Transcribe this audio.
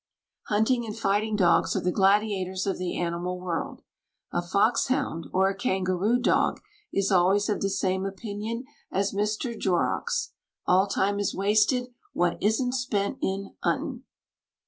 Hunting and fighting dogs are the gladiators of the animal world. A fox hound or a kangaroo dog is always of the same opinion as Mr. Jorrocks: "All time is wasted what isn't spent in 'untin'."